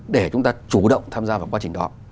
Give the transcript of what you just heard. để chúng ta chủ động tham gia vào quá trình đó